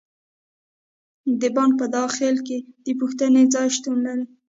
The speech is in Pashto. د بانک په داخل کې د پوښتنې ځای شتون لري.